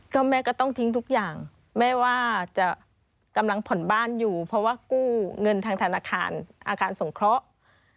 ก็แม่ก็ต้องทิ้งทุกอย่างแม่ว่าจะกำลังผ่อนบ้านอยู่เพราะว่ากู้เงินทางธนาคารอาคารสงเคราะห์